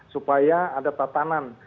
supaya ada tatanan